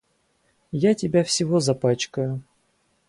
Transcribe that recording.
Я тебя всего запачкаю.